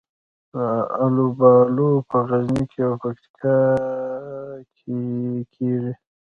الوبالو په غزني او پکتیکا کې کیږي